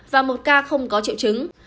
và một ca không có triệu chứng